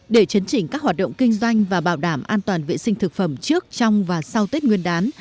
để chấn chỉnh các hoạt động kinh doanh và bảo đảm an toàn vệ sinh thực phẩm trước trong và sau tết nguyên đán